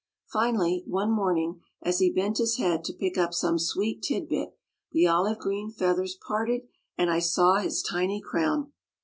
Finally one morning as he bent his head to pick up some sweet tid bit the olive green feathers parted and I saw his tiny crown.